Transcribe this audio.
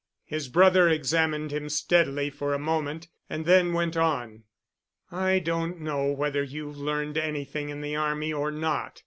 His brother examined him steadily for a moment, and then went on. "I don't know whether you've learned anything in the army or not.